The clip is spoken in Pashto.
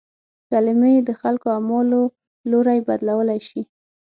کلمې د خلکو اعمالو لوری بدلولای شي.